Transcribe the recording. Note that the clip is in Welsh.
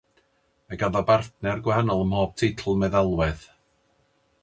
Mae ganddo bartner gwahanol ym mhob teitl meddalwedd.